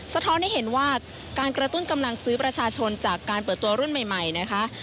ท้อนให้เห็นว่าการกระตุ้นกำลังซื้อประชาชนจากการเปิดตัวรุ่นใหม่นะคะ